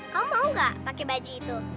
kamu mau gak pakai baju itu